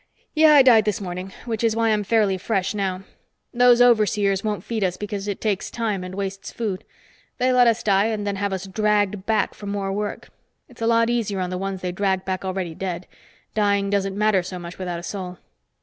Yeah, I died this morning, which is why I'm fairly fresh now. Those overseers won't feed us because it takes time and wastes food; they let us die and then have us dragged back for more work. It's a lot easier on the ones they dragged back already dead; dying doesn't matter so much without a soul."